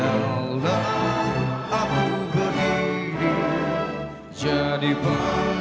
pemirsa dan hadirin sekalian